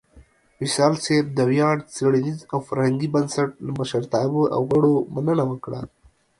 وصال صېب د ویاړ څیړنیز او فرهنګي بنسټ لۀ مشرتابۀ او غړو مننه وکړه